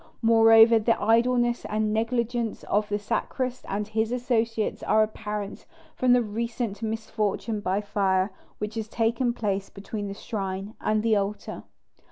Moreover, the idleness and negligence of the sacrist and his associates, are apparent from the recent misfortune by fire which has taken place between the shrine and the altar."